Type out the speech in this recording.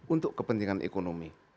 untuk kepentingan ekonomi